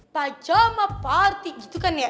pajama party gitu kan ya